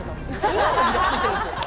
今もイラついてるんですよ。